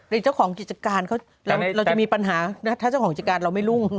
เจ้าของกิจการเขาเราจะมีปัญหาถ้าเจ้าของกิจการเราไม่รุ่ง